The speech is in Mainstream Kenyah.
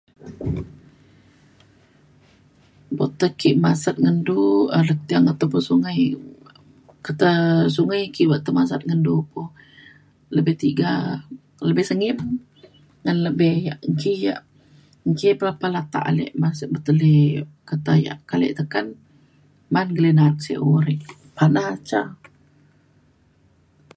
buk ke tai masat ngan du [unintelligible] atau pe sungai ke te sungai ki bak tai masat ngan du po lebih tiga lebih sengim ngan lebih yak ki yak ki pelepah latak ale https://commonvoice.mozilla.org/spontaneous-speech/alpha/prompts https://commonvoice.mozilla.org/spontaneous-speech/alpha/prompts masat be teli ketai yak ke te kan man gelina sio re pana ca